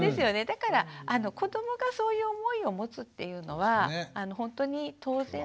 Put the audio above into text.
だから子どもがそういう思いを持つっていうのはほんとに当然のこと。